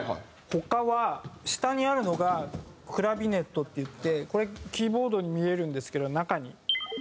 他は下にあるのがクラビネットっていってこれキーボードに見えるんですけど中に弦が張ってあって。